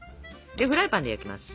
でフライパンで焼きます。